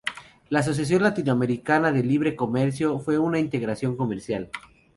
La Asociación Latinoamericana de Libre Comercio fue una integración comercial.